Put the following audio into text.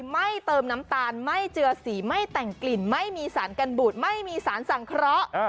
ไม่เติมน้ำตาลไม่เจือสีไม่แต่งกลิ่นไม่มีสารกันบูดไม่มีสารสังเคราะห์